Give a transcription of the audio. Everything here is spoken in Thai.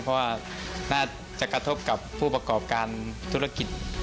เพราะว่าน่าจะกระทบกับผู้ประกอบการธุรกิจ